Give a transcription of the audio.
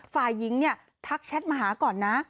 ฝ่ายิงทักแชทมาหาก่อนนะ